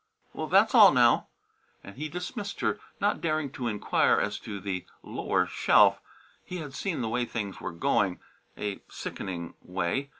"Well, that's all, now!" and he dismissed her, not daring to inquire as to the lower shelf. He had seen the way things were going a sickening way.